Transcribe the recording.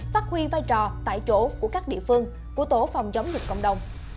phát huy vai trò tại chỗ của các địa phương của tổ phòng chống dịch cộng đồng